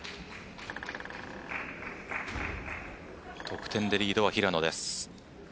得点でリードは平野です。